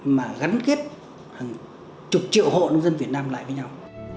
mà gắn kết hàng chục triệu hộ nông dân việt nam lại với nhau